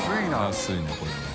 安いねこれは。